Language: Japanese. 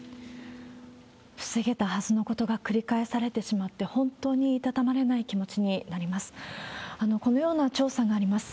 防げたはずのことが繰り返されてしまって、本当にいたたまれない気持ちになります。